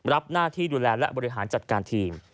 รับหน้าที่ดูแลและบริหารจัดการทีม